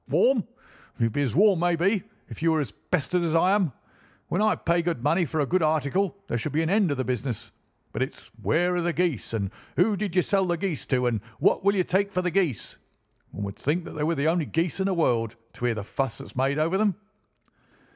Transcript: "Warm! You'd be as warm, maybe, if you were as pestered as I am. When I pay good money for a good article there should be an end of the business; but it's 'Where are the geese?' and 'Who did you sell the geese to?' and 'What will you take for the geese?' One would think they were the only geese in the world, to hear the fuss that is made over them."